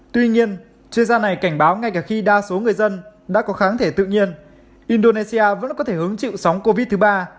tuy nhiên chuyên gia này cảnh báo ngay cả khi đa số người dân đã có kháng thể tự nhiên indonesia vẫn có thể hứng chịu sóng của virus